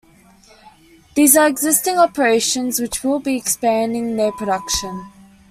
These are existing operations which will be expanding their production.